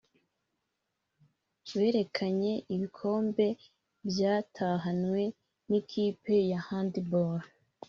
Berekanye ibikombe byatahanywe n’ikipe ya hand ball